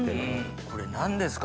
これ何ですか？